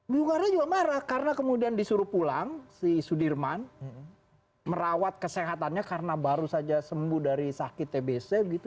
bung karno juga marah karena kemudian disuruh pulang si sudirman merawat kesehatannya karena baru saja sembuh dari sakit tbc gitu